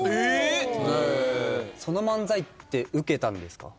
その漫才ってウケたんですか？